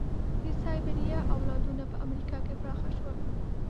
د سایبریا اولادونه په امریکا کې پراخه شول.